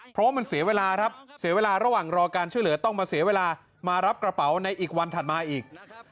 เพราะว่ามันเสียเวลาครับเสียเวลาระหว่างรอการช่วยเหลือต้องมาเสียเวลามารับกระเป๋าในอีกวันถัดมาอีก